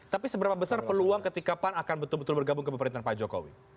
tapi seberapa besar peluang ketika pan akan betul betul bergabung ke pemerintahan pak jokowi